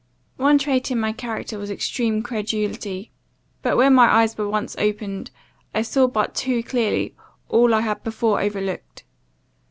"One trait in my character was extreme credulity; but, when my eyes were once opened, I saw but too clearly all I had before overlooked.